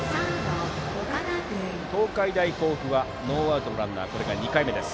東海大甲府はノーアウトランナーはこれが２回目です。